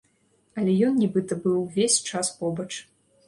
Але ён нібыта быў увесь час побач.